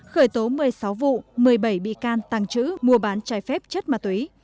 khởi tố một mươi sáu vụ một mươi bảy bị can tăng chữ mua bán trái phép chất ma túy